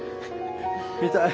見たい。